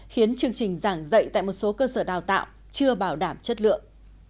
khiến chương trình giảng dạy tại một số cơ sở đào tạo chưa bảo đảm chất lượng